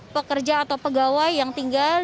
pekerja atau pegawai yang tinggal